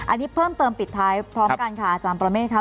อันนี้เพิ่มเติมปิดท้ายพร้อมกันค่ะอาจารย์ประเมฆครับ